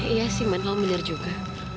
iya sih man lo bener juga